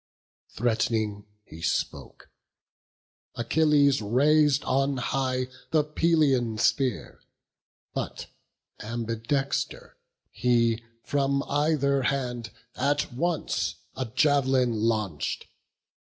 Threat'ning he spoke: Achilles rais'd on high The Pelian spear; but, ambidexter, he From either hand at once a jav'lin launch'd.